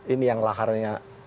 ini yang laharnya